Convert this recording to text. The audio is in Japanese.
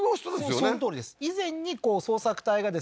そのとおりです